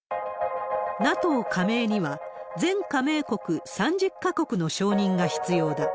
ＮＡＴＯ加盟には、全加盟国３０か国の承認が必要だ。